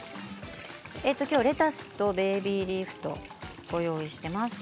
きょうはレタスとベビーリーフをご用意しています。